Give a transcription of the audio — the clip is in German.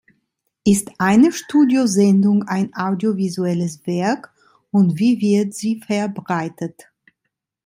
Ist eine Studiosendung ein audiovisuelles Werk, und wie wird sie verbreitet?